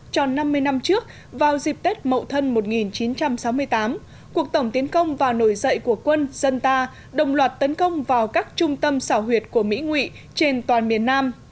tròn năm mươi năm trước vào dịp tết mậu thân một nghìn chín trăm sáu mươi tám cuộc tổng tiến công và nổi dậy của quân dân ta đồng loạt tấn công vào các trung tâm xảo huyệt của mỹ nguy trên toàn miền nam